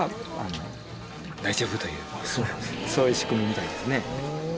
そういう仕組みみたいですね。